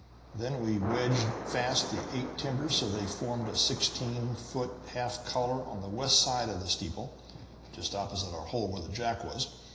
Then we wedged fast the eight timbers so that they formed a sixteen foot half collar on the west side of the steeple just opposite our hole where the jack was.